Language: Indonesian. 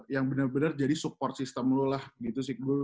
yang bener bener jadi support sistem lo lah gitu sih gue kalo bisa